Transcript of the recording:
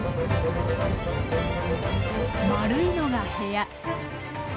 丸いのが部屋。